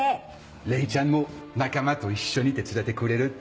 レイちゃんも仲間と一緒に手伝ってくれるって！